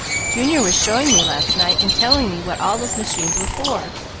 Junior was showing me last night and telling me what all those machines were made for.